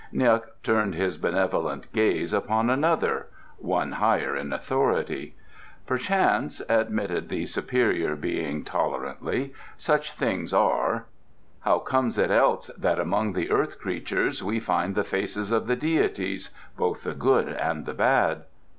N'guk turned his benevolent gaze upon another one higher in authority. "Perchance," admitted the superior Being tolerantly. "Such things are. How comes it else that among the earth creatures we find the faces of the deities both the good and the bad?"